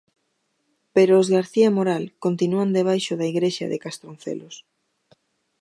Pero os García Moral continúan debaixo da igrexa de Castroncelos.